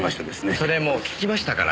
それもう聞きましたから。